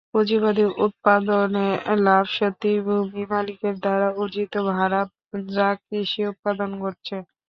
পুঁজিবাদী উৎপাদনে লাভ সত্যিই ভূমি মালিকের দ্বারা অর্জিত "ভাড়া" যা কৃষি উৎপাদন ঘটছে।